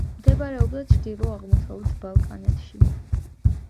მდებარეობდა ჩრდილო-აღმოსავლეთ ბალკანეთში.